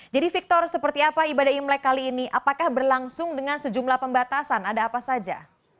jadi victor seperti apa ibadah imlek kali ini apakah berlangsung dengan sejumlah pembatasan ada apa saja